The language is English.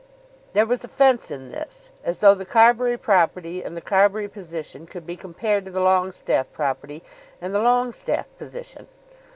There was offence in this; as though the Carbury property and the Carbury position could be compared to the Longestaffe property and the Longestaffe position.